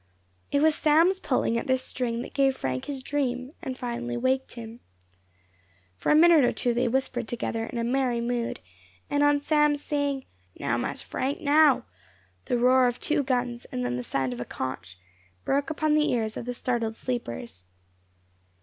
It was Sam's pulling at this string that gave Frank his dream, and finally waked him. For a minute or two they whispered together in merry mood, and on Sam's saying, "Now, Mas Frank, now!" the roar of two guns, and then the sound of a conch, broke upon the ears of the startled sleepers.